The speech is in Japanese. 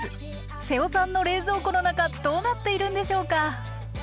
瀬尾さんの冷蔵庫の中どうなっているんでしょうか？